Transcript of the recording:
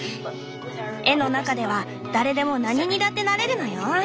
絵の中では誰でも何にだってなれるのよ。